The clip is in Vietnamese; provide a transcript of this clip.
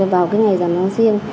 vào cái ngày giảm tháng riêng